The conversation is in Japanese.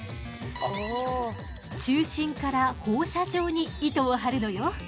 中心から放射状に糸を張るのよ。